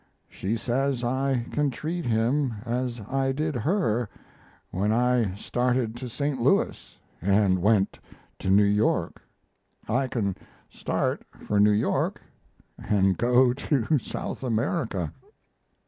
She says I can treat him as I did her when I started to St. Louis and went to New York I can start for New York and go to South America.